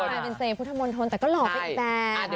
กลายเป็นเจพุทธมนตรแต่ก็หล่อไปอีกแบบ